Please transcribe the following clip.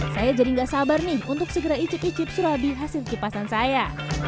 saya jadi gak sabar nih untuk segera icip icip surabi hasil kipasan saya